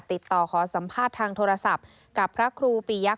ติดต่อขอสัมภาษณ์ทางโทรศัพท์กับพระครูปียักษ